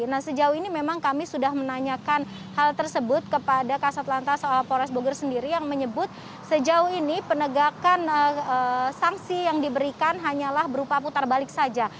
nah sejauh ini memang kami sudah menanyakan hal tersebut kepada kasat lantas soal polres bogor sendiri yang menyebut sejauh ini penegakan sanksi yang diberikan hanyalah berupa putar balik saja